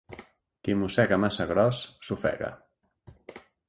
Qui mossega massa gros, s'ofega.